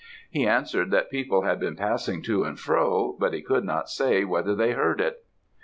He answered, that people had been passing to and fro, but he could not say whether they heard it.